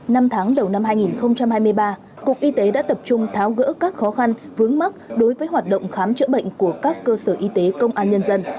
năm tháng đầu năm hai nghìn hai mươi ba cục y tế đã tập trung tháo gỡ các khó khăn vướng mắt đối với hoạt động khám chữa bệnh của các cơ sở y tế công an nhân dân